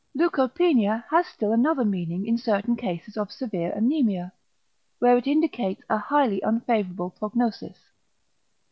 Leukopenia has still another meaning in certain cases of severe anæmia, where it indicates a highly unfavourable prognosis.